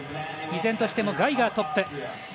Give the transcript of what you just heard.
依然としてもガイガー、トップ。